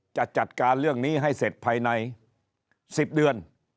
จะจัดการเรื่องนี้ให้เสร็จภายใน๑๐เดือน